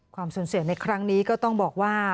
ความสูญเสียในครั้งนี้ก็ต้องบอกว่า